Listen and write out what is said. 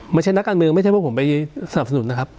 ไม่ใช่นักการเมืองไม่ใช่พวกผมไปสนับสนุนนะครับ